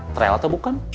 trel atau bukan